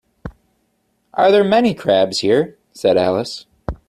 ‘Are there many crabs here?’ said Alice.